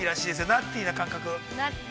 ナッティーな感覚。